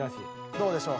どうでしょう？